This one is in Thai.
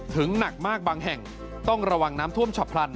หนักมากบางแห่งต้องระวังน้ำท่วมฉับพลัน